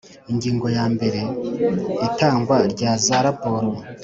Ingingo ya mbere Itangwa rya za raporo